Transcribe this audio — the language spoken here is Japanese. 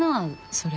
それ。